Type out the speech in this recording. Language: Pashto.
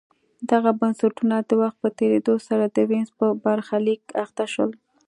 دغه بنسټونه د وخت په تېرېدو سره د وینز په برخلیک اخته شول